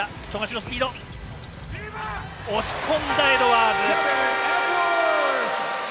押し込んだ、エドワーズ。